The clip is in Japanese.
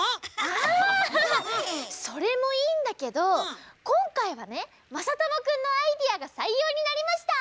あ！それもいいんだけどこんかいはねまさともくんのアイデアがさいようになりました。